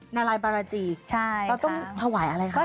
นารายบรรณจีเราต้องถ่วยกันอะไรก่อน